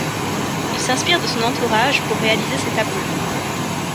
Il s’inspire de son entourage pour réaliser ses tableaux.